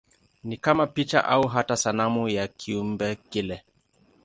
Ni kama picha au hata sanamu ya kiumbe kile.